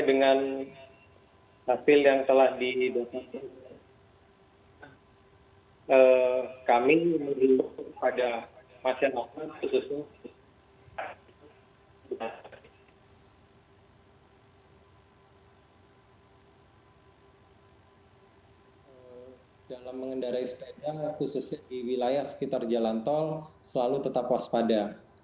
dalam mengendarai sepeda khususnya di wilayah sekitar jalan tol selalu tetap waspada